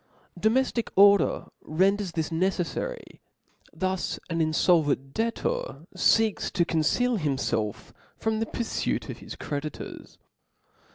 Domeftic order fcnde^ s this necei^ fary , thus an infolvent debtqr feeks to conceal himfelffrom the.purfuit of his creditors.